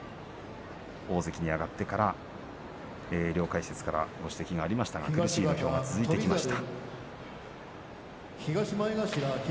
大関に上がってから両解説からご指摘があったように苦しい土俵が続いています。